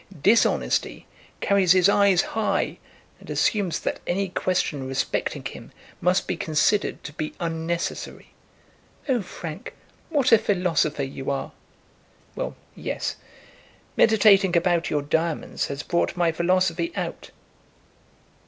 Dishonesty carries his eyes high, and assumes that any question respecting him must be considered to be unnecessary." "Oh, Frank, what a philosopher you are." "Well, yes; meditating about your diamonds has brought my philosophy out.